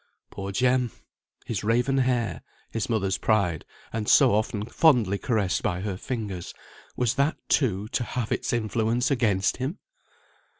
Poor Jem! His raven hair (his mother's pride, and so often fondly caressed by her fingers), was that too to have its influence against him?